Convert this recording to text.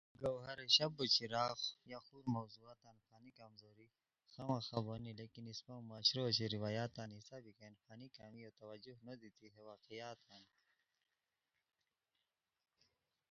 گوہرشب چراغ یا خور موضوعاتین فنی کمزوری خواہ مخواہ بونی لیکن اِسپہ معاشر ہ اوچے روایاتان حصہ بیکین فنی کمیوت توجہ نو دیتی ہے واقعاتان